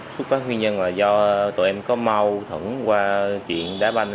phát huy nhân là do tụi em có mau thuẫn qua chuyện đá banh